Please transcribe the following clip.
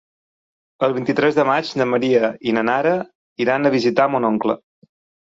El vint-i-tres de maig na Maria i na Nara iran a visitar mon oncle.